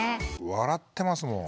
笑ってますもん。